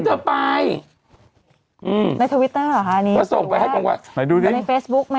จะไปในทวิตเตอร์หรอค่ะอันนี้ก็ส่งไปให้คุณว่าไหนดูดิมันในเฟซบุ๊กไหม